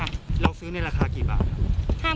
แล้วซื้อในราคาคริกบาทครับ